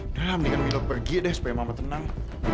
dalam nih kan milo pergi deh supaya mama tenang